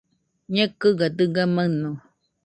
Ñekɨgaɨ dɨga maɨno